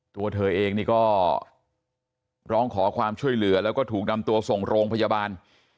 ตัวเธอเองนี่ก็ร้องขอความช่วยเหลือแล้วก็ถูกนำตัวส่งโรงพยาบาล